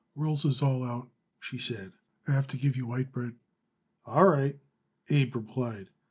"Rolls is all out," she said. "I'll have to give you white bread." "All right," Abe replied.